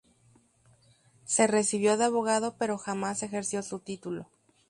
Se recibió de abogado pero jamás ejerció su título.